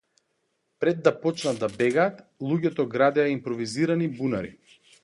Пред да почнат да бегаат, луѓето градеа импровизирани бунари.